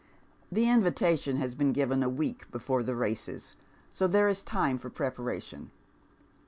The invitation has been given a week before the races, so there is time for preparation.